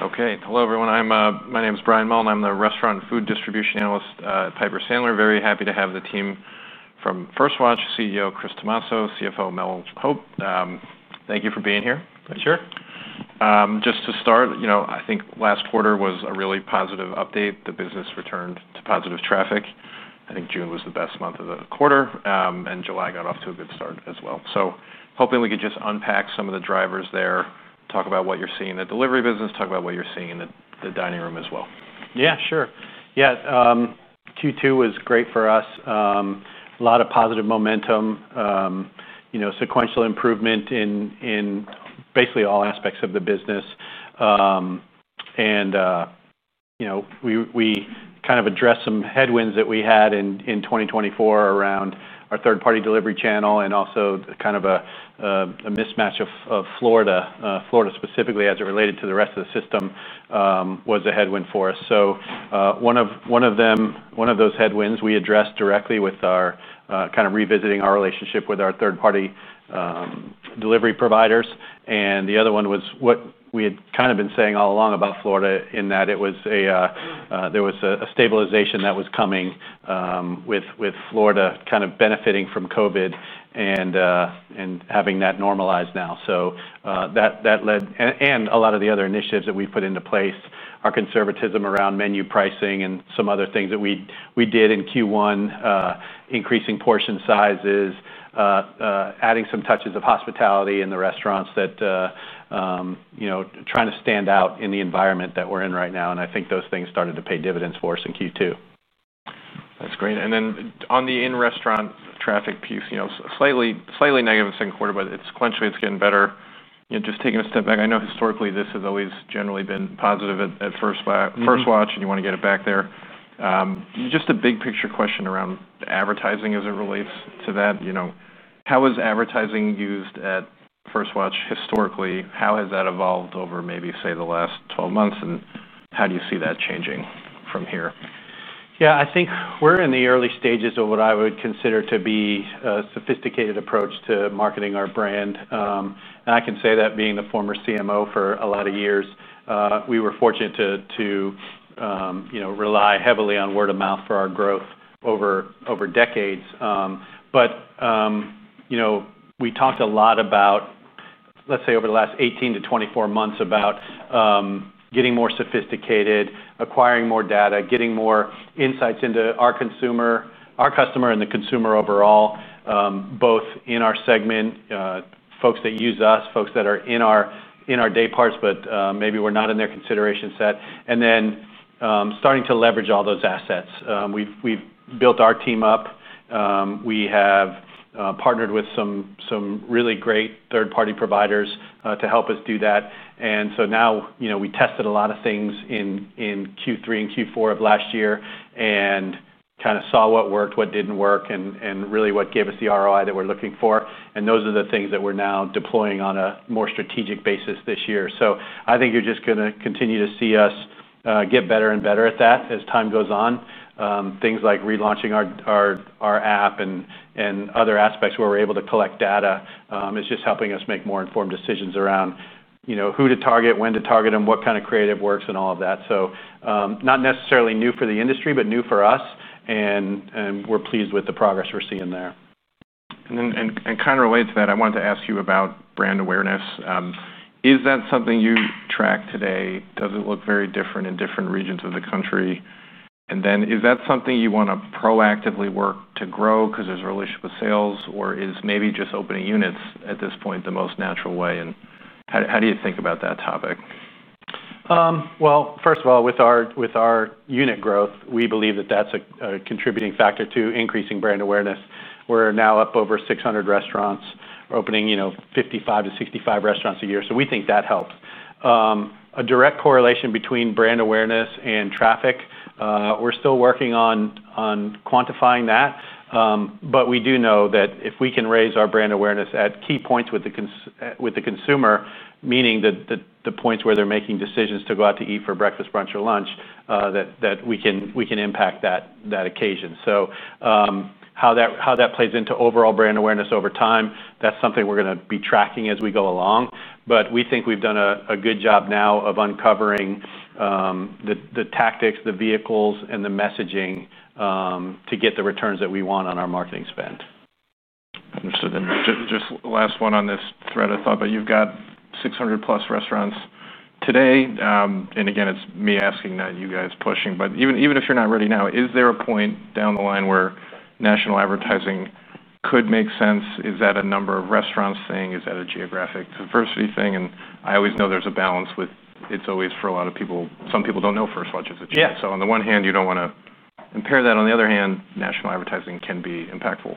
Okay. Hello, everyone. My name is Brian Mullen. I'm the Restaurant and Food Distribution Analyst at Piper Sandler. Very happy to have the team from First Watch, CEO Chris Tomasso, CFO Mel Hope. Thank you for being here. Sure. Just to start, I think last quarter was a really positive update. The business returned to positive traffic. I think June was the best month of the quarter, and July got off to a good start as well. Hoping we could just unpack some of the drivers there, talk about what you're seeing in the delivery business, and talk about what you're seeing in the dining room as well. Yeah, sure. Q2 was great for us. A lot of positive momentum. You know, sequential improvement in basically all aspects of the business. We kind of addressed some headwinds that we had in 2024 around our third-party delivery channel and also kind of a mismatch of Florida specifically as it related to the rest of the system, was a headwind for us. One of those headwinds we addressed directly with our revisiting our relationship with our third-party delivery providers. The other one was what we had kind of been saying all along about Florida in that there was a stabilization that was coming, with Florida kind of benefiting from COVID and having that normalized now. That led, and a lot of the other initiatives that we've put into place, our conservatism around menu pricing and some other things that we did in Q1, increasing portion sizes, adding some touches of hospitality in the restaurants, trying to stand out in the environment that we're in right now. I think those things started to pay dividends for us in Q2. That's great. On the in-restaurant traffic piece, slightly negative in the same quarter, but sequentially, it's getting better. Just taking a step back, I know historically this has always generally been positive at First Watch, and you want to get it back there. A big picture question around advertising as it relates to that. How is advertising used at First Watch historically? How has that evolved over maybe, say, the last 12 months? How do you see that changing from here? Yeah, I think we're in the early stages of what I would consider to be a sophisticated approach to marketing our brand. I can say that, being the former CMO for a lot of years, we were fortunate to rely heavily on word of mouth for our growth over decades. We talked a lot about, let's say over the last 18 to 24 months, getting more sophisticated, acquiring more data, getting more insights into our customer and the consumer overall, both in our segment, folks that use us, folks that are in our day parts, but maybe we're not in their consideration set. Then, starting to leverage all those assets. We've built our team up. We have partnered with some really great third-party providers to help us do that. Now, we tested a lot of things in Q3 and Q4 of last year and kind of saw what worked, what didn't work, and really what gave us the ROI that we're looking for. Those are the things that we're now deploying on a more strategic basis this year. I think you're just going to continue to see us get better and better at that as time goes on. Things like relaunching our app and other aspects where we're able to collect data is just helping us make more informed decisions around who to target, when to target them, what kind of creative works and all of that. Not necessarily new for the industry, but new for us, and we're pleased with the progress we're seeing there. I wanted to ask you about brand awareness. Is that something you track today? Does it look very different in different regions of the country? Is that something you want to proactively work to grow because there's a relationship with sales, or is maybe just opening units at this point the most natural way? How do you think about that topic? First of all, with our unit growth, we believe that that's a contributing factor to increasing brand awareness. We're now up over 600 restaurants. We're opening, you know, 55 to 65 restaurants a year. We think that helps. A direct correlation between brand awareness and traffic, we're still working on quantifying that. We do know that if we can raise our brand awareness at key points with the consumer, meaning the points where they're making decisions to go out to eat for breakfast, brunch, or lunch, that we can impact that occasion. How that plays into overall brand awareness over time, that's something we're going to be tracking as we go along. We think we've done a good job now of uncovering the tactics, the vehicles, and the messaging to get the returns that we want on our marketing spend. Understood. Just last one on this thread of thought, you've got 600 plus restaurants today. Again, it's me asking, not you guys pushing, but even if you're not ready now, is there a point down the line where national advertising could make sense? Is that a number of restaurants thing? Is that a geographic diversity thing? I always know there's a balance with, it's always for a lot of people. Some people don't know First Watch is a gem. On the one hand, you don't want to impair that. On the other hand, national advertising can be impactful.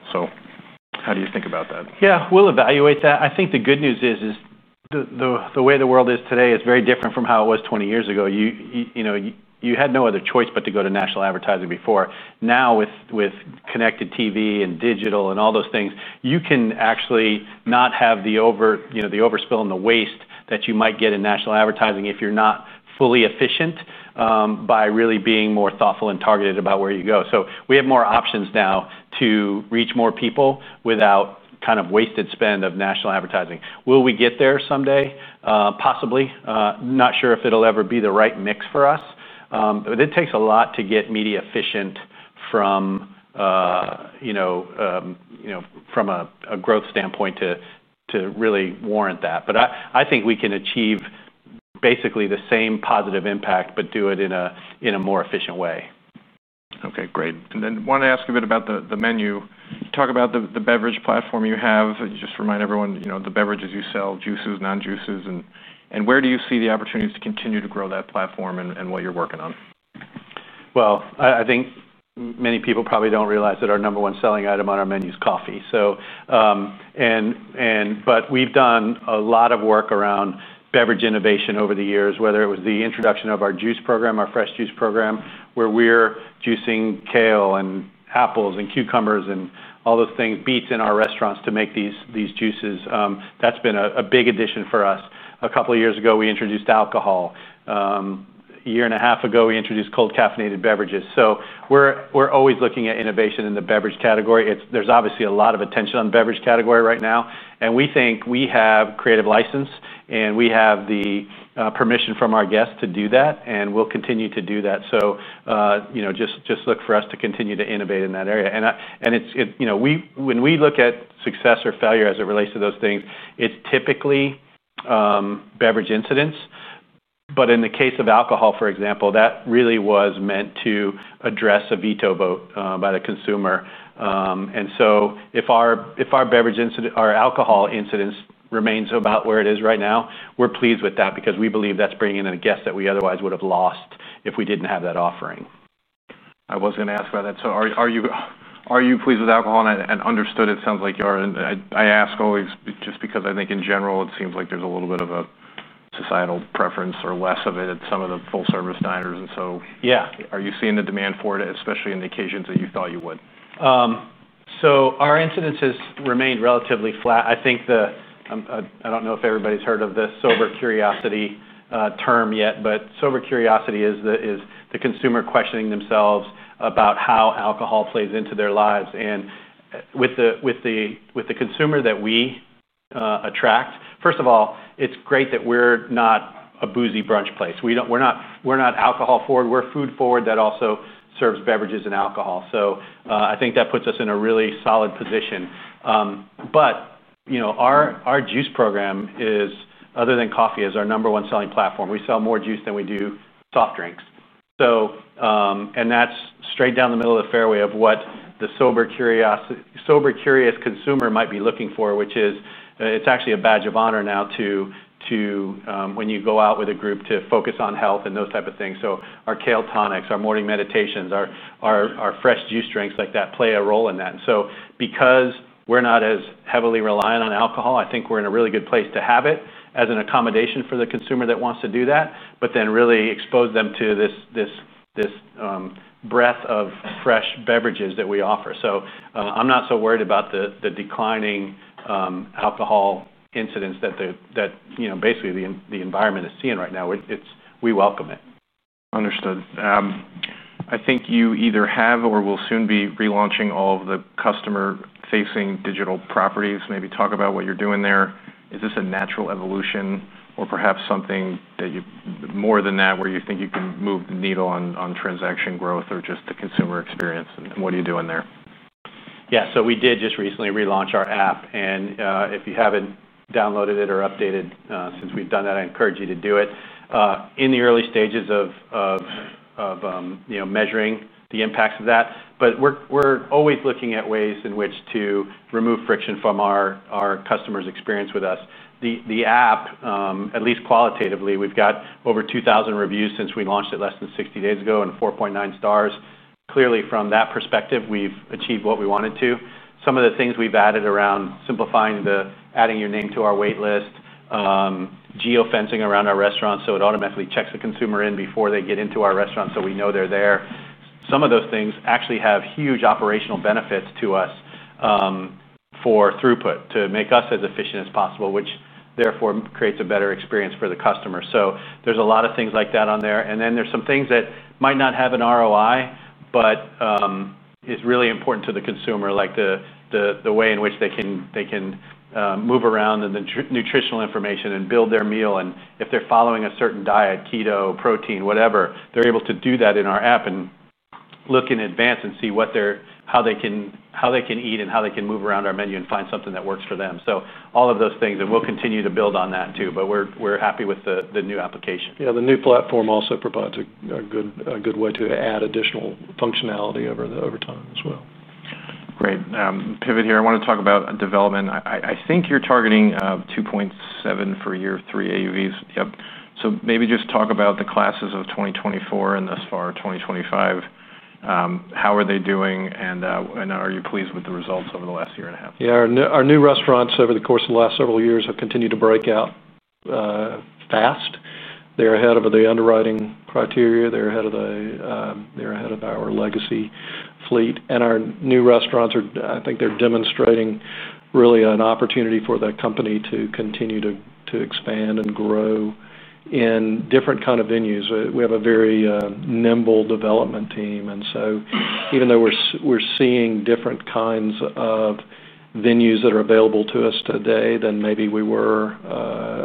How do you think about that? Yeah, we'll evaluate that. I think the good news is the way the world is today, it's very different from how it was 20 years ago. You know, you had no other choice but to go to national advertising before. Now, with connected TV and digital and all those things, you can actually not have the overspill and the waste that you might get in national advertising if you're not fully efficient, by really being more thoughtful and targeted about where you go. We have more options now to reach more people without kind of wasted spend of national advertising. Will we get there someday? Possibly. Not sure if it'll ever be the right mix for us. It takes a lot to get media efficient from a growth standpoint to really warrant that. I think we can achieve basically the same positive impact, but do it in a more efficient way. Okay, great. I want to ask a bit about the menu. You talk about the beverage platform you have. Can you just remind everyone, you know, the beverages you sell, juices, non-juices, and where do you see the opportunities to continue to grow that platform and what you're working on? I think many people probably don't realize that our number one selling item on our menu is coffee. We've done a lot of work around beverage innovation over the years, whether it was the introduction of our fresh juice program, where we're juicing kale and apples and cucumbers and all those things, beets in our restaurants to make these juices. That's been a big addition for us. A couple of years ago, we introduced alcohol. A year and a half ago, we introduced cold caffeinated beverages. We're always looking at innovation in the beverage category. There's obviously a lot of attention on the beverage category right now. We think we have creative license and we have the permission from our guests to do that, and we'll continue to do that. Just look for us to continue to innovate in that area. When we look at success or failure as it relates to those things, it's typically beverage incidents. In the case of alcohol, for example, that really was meant to address a veto vote by the consumer. If our beverage incident or alcohol incidents remain about where it is right now, we're pleased with that because we believe that's bringing in a guest that we otherwise would have lost if we didn't have that offering. I was going to ask about that. Are you pleased with alcohol? I understood it sounds like you are. I ask always just because I think in general it seems like there's a little bit of a societal preference or less of it at some of the full-service diners. Are you seeing the demand for it, especially in the occasions that you thought you would? Our incidences remain relatively flat. I think the, I don't know if everybody's heard of this sober curiosity term yet, but sober curiosity is the consumer questioning themselves about how alcohol plays into their lives. With the consumer that we attract, first of all, it's great that we're not a boozy brunch place. We're not alcohol forward. We're food forward that also serves beverages and alcohol. I think that puts us in a really solid position. Our juice program is, other than coffee, our number one selling platform. We sell more juice than we do soft drinks, and that's straight down the middle of the fairway of what the sober curiosity, sober curious consumer might be looking for, which is, it's actually a badge of honor now to, when you go out with a group, focus on health and those types of things. Our Kale Tonics, our Morning Meditation, our fresh juice drinks like that play a role in that. Because we're not as heavily reliant on alcohol, I think we're in a really good place to have it as an accommodation for the consumer that wants to do that, but then really expose them to this breadth of fresh beverages that we offer. I'm not so worried about the declining alcohol incidents that the environment is seeing right now. We welcome it. Understood. I think you either have or will soon be relaunching all of the customer-facing digital properties. Maybe talk about what you're doing there. Is this a natural evolution or perhaps something more than that, where you think you can move the needle on transaction growth or just the consumer experience? What are you doing there? Yeah, we did just recently relaunch our app. If you haven't downloaded it or updated since we've done that, I encourage you to do it. We're in the early stages of measuring the impacts of that. We're always looking at ways in which to remove friction from our customer's experience with us. The app, at least qualitatively, we've got over 2,000 reviews since we launched it less than 60 days ago and 4.9 stars. Clearly, from that perspective, we've achieved what we wanted to. Some of the things we've added around simplifying the adding your name to our waitlist, geofencing around our restaurants so it automatically checks the consumer in before they get into our restaurant, so we know they're there. Some of those things actually have huge operational benefits to us for throughput to make us as efficient as possible, which therefore creates a better experience for the customer. There's a lot of things like that on there. There are some things that might not have an ROI, but are really important to the consumer, like the way in which they can move around and the nutritional information and build their meal. If they're following a certain diet, keto, protein, whatever, they're able to do that in our app and look in advance and see how they can eat and how they can move around our menu and find something that works for them. All of those things, and we'll continue to build on that too, but we're happy with the new application. Yeah, the new platform also provides a good way to add additional functionality over time as well. Great, pivot here. I want to talk about development. I think you're targeting $2.7 million for year three AUVs. Yep. Maybe just talk about the classes of 2024 and thus far 2025. How are they doing, and are you pleased with the results over the last year and a half? Yeah, our new restaurants over the course of the last several years have continued to break out fast. They're ahead of the underwriting criteria. They're ahead of our legacy fleet. Our new restaurants are, I think they're demonstrating really an opportunity for the company to continue to expand and grow in different kinds of venues. We have a very nimble development team. Even though we're seeing different kinds of venues that are available to us today than maybe we were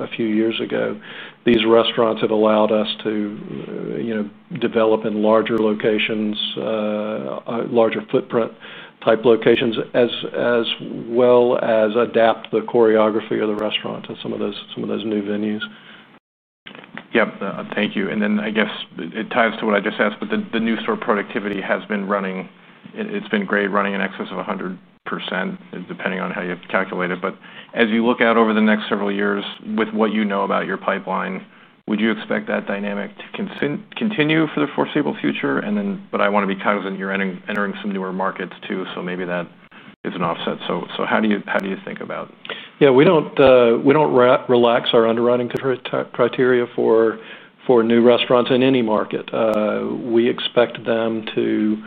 a few years ago, these restaurants have allowed us to develop in larger locations, larger footprint type locations as well as adapt the choreography of the restaurant to some of those new venues. Thank you. I guess it ties to what I just asked, but the new store productivity has been great, running in excess of 100% depending on how you calculate it. As you look out over the next several years with what you know about your pipeline, would you expect that dynamic to continue for the foreseeable future? I want to be cognizant you're entering some newer markets too. Maybe that is an offset. How do you think about it? Yeah, we don't relax our underwriting criteria for new restaurants in any market. We expect them to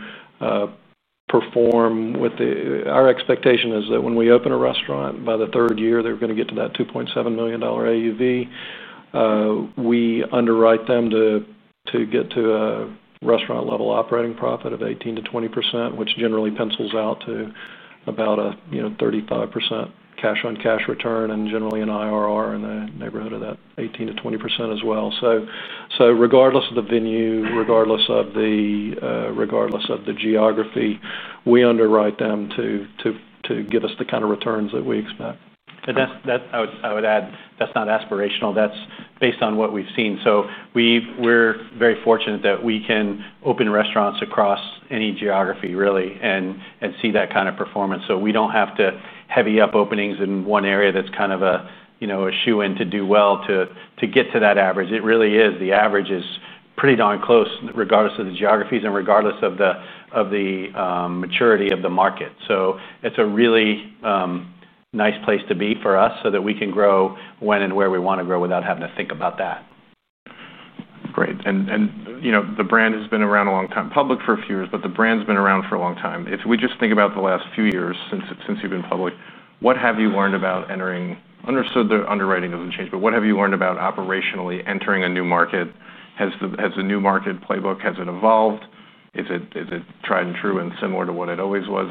perform with the, our expectation is that when we open a restaurant by the third year, they're going to get to that $2.7 million AUV. We underwrite them to get to a restaurant-level operating profit of 18 to 20%, which generally pencils out to about a, you know, 35% cash on cash return and generally an IRR in the neighborhood of that 18 to 20% as well. Regardless of the venue, regardless of the geography, we underwrite them to get us the kind of returns that we expect. I would add, that's not aspirational. That's based on what we've seen. We're very fortunate that we can open restaurants across any geography really and see that kind of performance. We don't have to heavy up openings in one area that's kind of a shoe-in to do well to get to that average. It really is, the average is pretty darn close regardless of the geographies and regardless of the maturity of the market. It's a really nice place to be for us so that we can grow when and where we want to grow without having to think about that. Great. You know, the brand has been around a long time, public for a few years, but the brand's been around for a long time. If we just think about the last few years since you've been public, what have you learned about entering, understood the underwriting doesn't change, but what have you learned about operationally entering a new market? Has the new market playbook, has it evolved? Is it tried and true and similar to what it always was?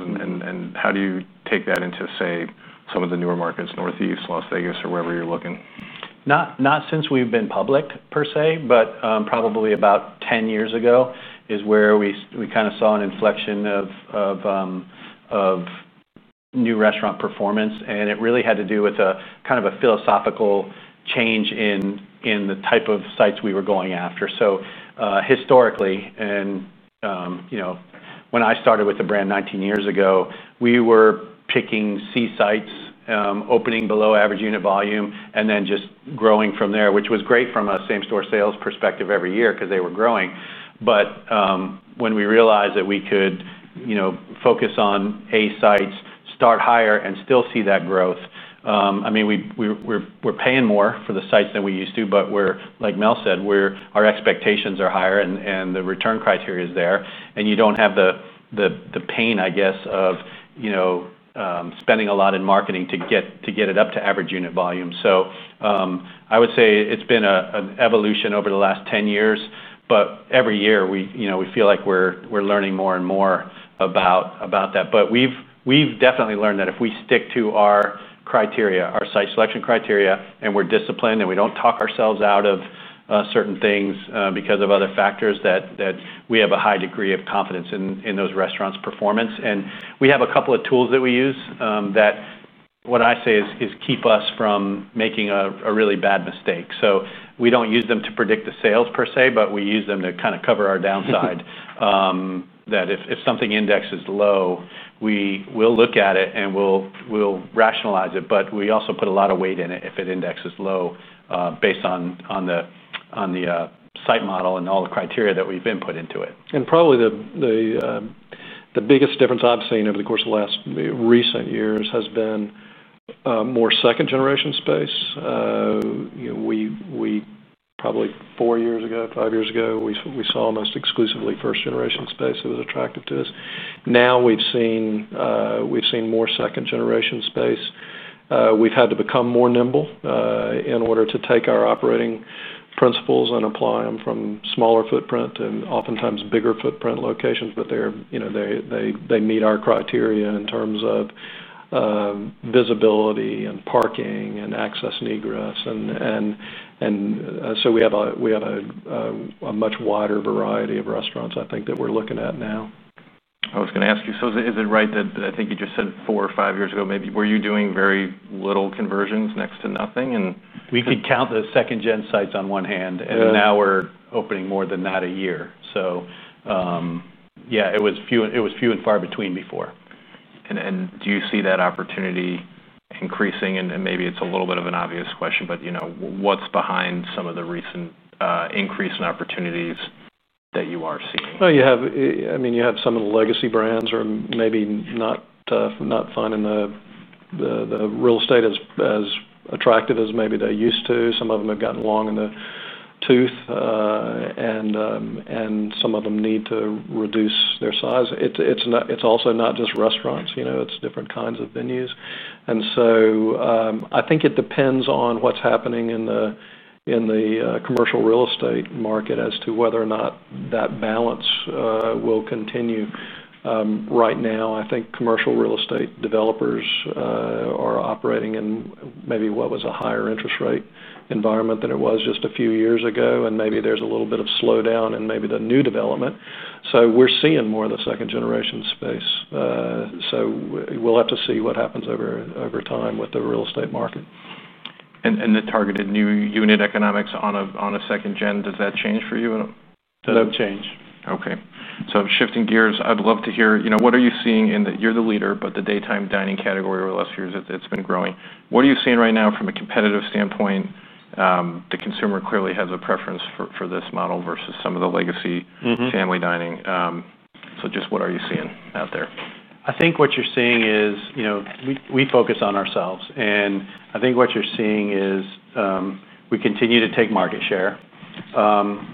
How do you take that into, say, some of the newer markets, Northeast, Las Vegas, or wherever you're looking? Not since we've been public per se, but probably about 10 years ago is where we kind of saw an inflection of new restaurant performance. It really had to do with a kind of a philosophical change in the type of sites we were going after. Historically, and when I started with the brand 19 years ago, we were picking C sites, opening below average unit volume, and then just growing from there, which was great from a same-store sales perspective every year because they were growing. When we realized that we could focus on A sites, start higher, and still see that growth, we're paying more for the sites than we used to, but like Mel said, our expectations are higher and the return criteria is there. You don't have the pain, I guess, of spending a lot in marketing to get it up to average unit volume. I would say it's been an evolution over the last 10 years, but every year we feel like we're learning more and more about that. We've definitely learned that if we stick to our criteria, our site selection criteria, and we're disciplined and we don't talk ourselves out of certain things because of other factors, we have a high degree of confidence in those restaurants' performance. We have a couple of tools that we use that, what I say is, keep us from making a really bad mistake. We don't use them to predict the sales per se, but we use them to kind of cover our downside. If something indexes low, we will look at it and we'll rationalize it, but we also put a lot of weight in it if it indexes low, based on the site model and all the criteria that we've input into it. Probably the biggest difference I've seen over the course of the last recent years has been more second-generation space. We probably four years ago, five years ago, saw almost exclusively first-generation space that was attracted to us. Now we've seen more second-generation space. We've had to become more nimble in order to take our operating principles and apply them from smaller footprint and oftentimes bigger footprint locations, but they meet our criteria in terms of visibility and parking and access and egress. We have a much wider variety of restaurants I think that we're looking at now. I was going to ask you, is it right that I think you just said four or five years ago, maybe you were doing very little conversions, next to nothing? We could count the second-generation spaces on one hand, and now we're opening more than that a year. It was few and far between before. Do you see that opportunity increasing? Maybe it's a little bit of an obvious question, but you know, what's behind some of the recent increase in opportunities that you are seeing? Some of the legacy brands are maybe not finding the real estate as attractive as maybe they used to. Some of them have gotten long in the tooth, and some of them need to reduce their size. It's also not just restaurants, it's different kinds of venues. I think it depends on what's happening in the commercial real estate market as to whether or not that balance will continue. Right now, I think commercial real estate developers are operating in maybe what was a higher interest rate environment than it was just a few years ago. Maybe there's a little bit of slowdown in the new development. We're seeing more of the second-generation space. We'll have to see what happens over time with the real estate market. The targeted new unit economics on a second-generation space, does that change for you? No, change. Okay. Shifting gears, I'd love to hear what are you seeing in that? You're the leader in the daytime dining category. Over the last few years, it's been growing. What are you seeing right now from a competitive standpoint? The consumer clearly has a preference for this model versus some of the legacy family dining. Just what are you seeing out there? I think what you're seeing is, you know, we focus on ourselves. I think what you're seeing is, we continue to take market share.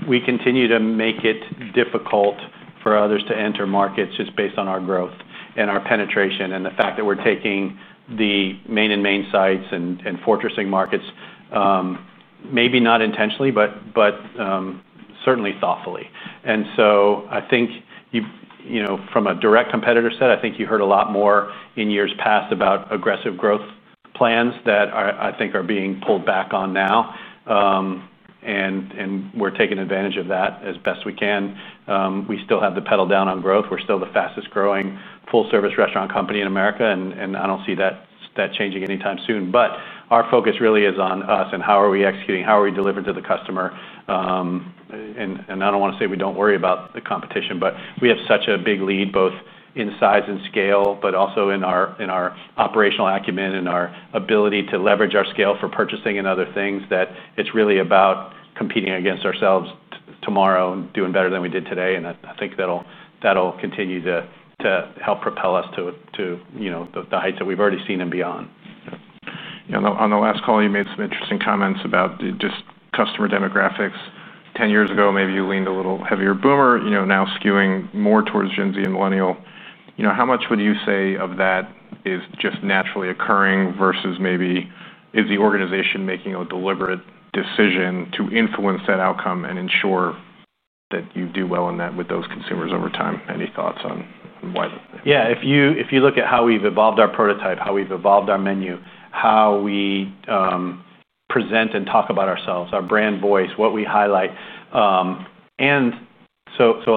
We continue to make it difficult for others to enter markets just based on our growth and our penetration and the fact that we're taking the main and main sites and fortressing markets, maybe not intentionally, but certainly thoughtfully. I think you've, you know, from a direct competitor side, I think you heard a lot more in years past about aggressive growth plans that I think are being pulled back on now. We're taking advantage of that as best we can. We still have the pedal down on growth. We're still the fastest growing full-service restaurant company in the U.S., and I don't see that changing anytime soon. Our focus really is on us and how are we executing, how are we delivering to the customer. I don't want to say we don't worry about the competition, but we have such a big lead, both in size and scale, but also in our operational acumen and our ability to leverage our scale for purchasing and other things that it's really about competing against ourselves tomorrow and doing better than we did today. I think that'll continue to help propel us to the heights that we've already seen and beyond. Yeah. On the last call, you made some interesting comments about just customer demographics. Ten years ago, maybe you leaned a little heavier boomer, you know, now skewing more towards Gen Z and Millennial. You know, how much would you say of that is just naturally occurring versus maybe is the organization making a deliberate decision to influence that outcome and ensure that you do well in that with those consumers over time? Any thoughts on why that? Yeah, if you look at how we've evolved our prototype, how we've evolved our menu, how we present and talk about ourselves, our brand voice, what we highlight. A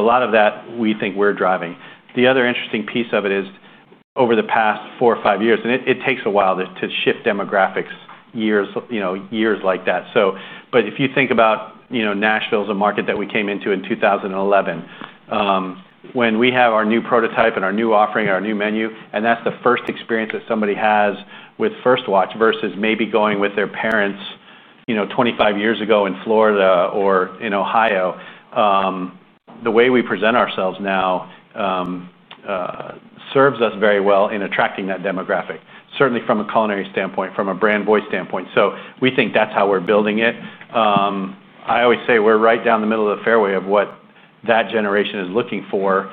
lot of that we think we're driving. The other interesting piece of it is over the past four or five years, and it takes a while to shift demographics, years like that. If you think about, you know, Nashville is a market that we came into in 2011, when we have our new prototype and our new offering and our new menu, and that's the first experience that somebody has with First Watch versus maybe going with their parents, you know, 25 years ago in Florida or in Ohio. The way we present ourselves now serves us very well in attracting that demographic, certainly from a culinary standpoint, from a brand voice standpoint. We think that's how we're building it. I always say we're right down the middle of the fairway of what that generation is looking for,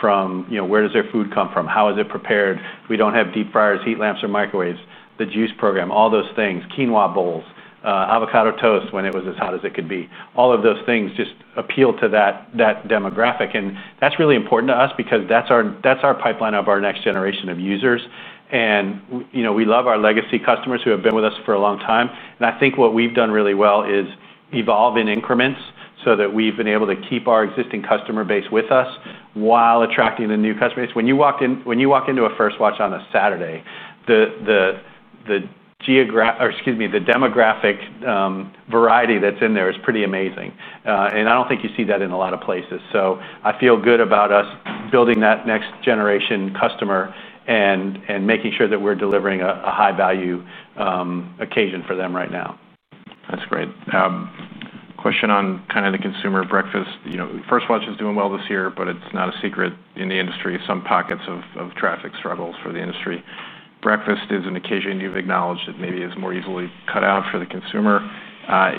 from, you know, where does their food come from, how is it prepared. We don't have deep fryers, heat lamps, or microwaves. The juice program, all those things, quinoa bowls, avocado toast when it was as hot as it could be. All of those things just appeal to that demographic. That's really important to us because that's our pipeline of our next generation of users. We love our legacy customers who have been with us for a long time. I think what we've done really well is evolve in increments so that we've been able to keep our existing customer base with us while attracting the new customer base. When you walk into a First Watch on a Saturday, the demographic variety that's in there is pretty amazing. I don't think you see that in a lot of places. I feel good about us building that next generation customer and making sure that we're delivering a high value occasion for them right now. That's great. Question on kind of the consumer breakfast. You know, First Watch is doing well this year, but it's not a secret in the industry. Some pockets of traffic struggles for the industry. Breakfast is an occasion you've acknowledged that maybe is more easily cut out for the consumer.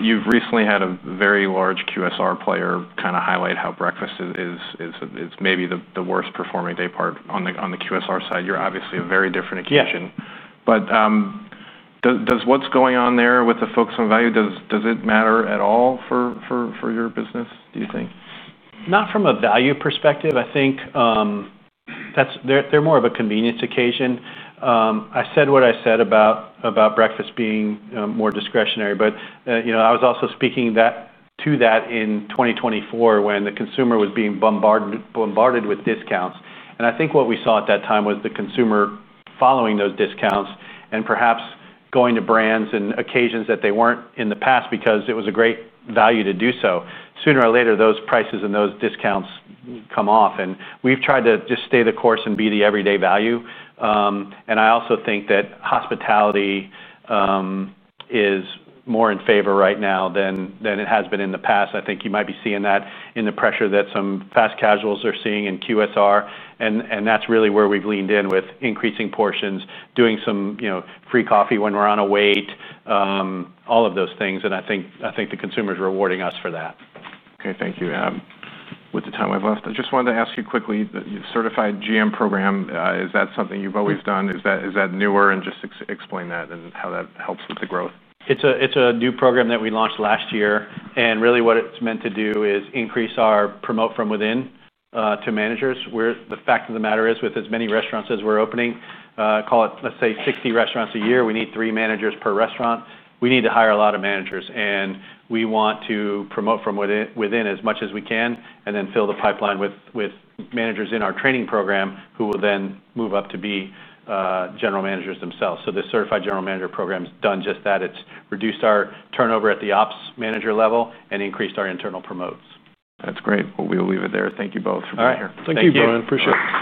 You've recently had a very large QSR player kind of highlight how breakfast is maybe the worst performing day part on the QSR side. You're obviously a very different occasion. Does what's going on there with the folks on value, does it matter at all for your business, do you think? Not from a value perspective. I think they're more of a convenience occasion. I said what I said about breakfast being more discretionary, but I was also speaking to that in 2024 when the consumer was being bombarded with discounts. I think what we saw at that time was the consumer following those discounts and perhaps going to brands and occasions that they weren't in the past because it was a great value to do so. Sooner or later, those prices and those discounts come off. We've tried to just stay the course and be the everyday value. I also think that hospitality is more in favor right now than it has been in the past. I think you might be seeing that in the pressure that some fast casuals are seeing in QSR. That's really where we've leaned in with increasing portions, doing some free coffee when we're on a wait, all of those things. I think the consumer is rewarding us for that. Okay. Thank you. With the time I've left, I just wanted to ask you quickly, your Certified General Manager program, is that something you've always done? Is that newer? Just explain that and how that helps with the growth. It's a new program that we launched last year. Really what it's meant to do is increase our promote from within to managers, where the fact of the matter is with as many restaurants as we're opening, call it, let's say 60 restaurants a year, we need three managers per restaurant. We need to hire a lot of managers. We want to promote from within as much as we can, and then fill the pipeline with managers in our training program who will then move up to be general managers themselves. The Certified General Manager program's done just that. It's reduced our turnover at the ops manager level and increased our internal promotes. That's great. We'll leave it there. Thank you both for being here. Thank you, Joan. Appreciate it.